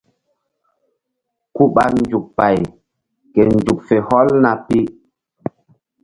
Ku ɓa nzuk pay ke nzuk fe hɔlna pi.